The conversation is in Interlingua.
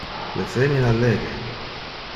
Le femina lege.